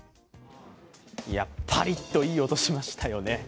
パリッといい音、しましたよね